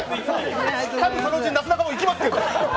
多分そのうちなすなかも行きますけど！